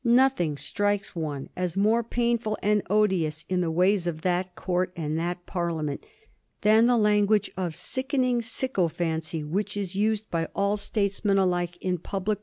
Nothing strikes one as more painful and odious in the ways of that Court and that Parliament than the language of sickening syco phancy which is used by all statesmen alike in public 86 A BISTORT OF THE FOUR GEORGES. ch.